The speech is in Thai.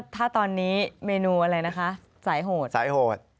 ถ้าตอนนี้เมนูอะไรนะคะสายโหด